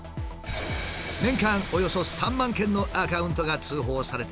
年間およそ３万件のアカウントが通報されてきているという。